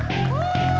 tiga dua satu